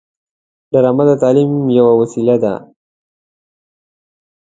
ډرامه د تعلیم یوه وسیله ده